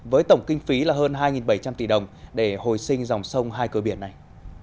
với tổng kinh phí là hơn hai bảy trăm linh tỷ đồng để hồi sinh dòng sông hai cơ biển này